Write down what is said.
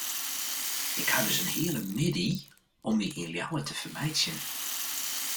Ik ha dus in hiele middei om my yn Ljouwert te fermeitsjen.